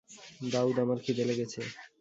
দাউদ, আমার ক্ষিদে লেগেছে।